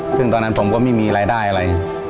ซึ่งตอนนั้นผมก็ไม่มีรายได้อะไร